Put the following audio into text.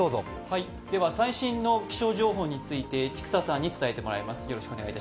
最新の気象情報について千種さんに伝えてもらいます。